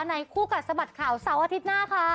คู่กัดสะบัดข่าวเสาร์อาทิตย์หน้าค่ะ